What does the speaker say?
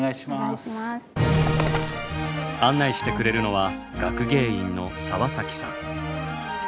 案内してくれるのは学芸員の澤さん。